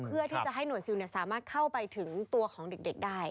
เพื่อที่จะให้หน่วยซิลสามารถเข้าไปถึงตัวของเด็กได้